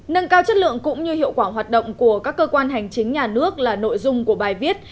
nâng cao chất lượng cũng như hiệu quả hoạt động của các cơ quan hành chính nhà nước là nội dung của bài viết